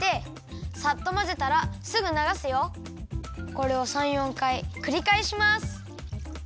これを３４かいくりかえします。